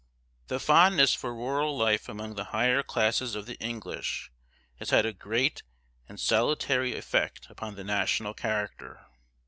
The fondness for rural life among the higher classes of the English has had a great and salutary effect upon the national character.